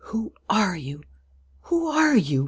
"Who are you? Who are you?"